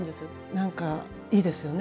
なんかいいですよね。